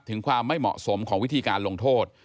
ถึงความไม่เหมาะสมของวิธีการลงโทษ